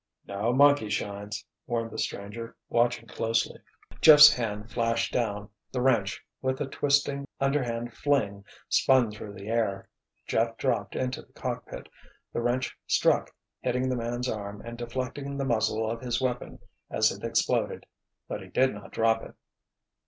"No monkey shines!" warned the stranger, watching closely. Jeff's hand flashed down, the wrench, with a twisting, underhand fling, spun through the air. Jeff dropped into the cockpit. The wrench struck, hitting the man's arm and deflecting the muzzle of his weapon as it exploded—but he did not drop it.